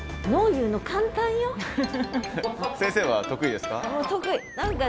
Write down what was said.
先生は得意ですか？